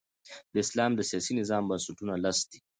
د اسلام د سیاسي نظام بنسټونه لس دي.